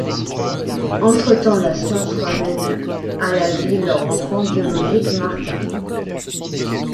Entretemps, la science ramène à la vie leur enfant biologique, Martin.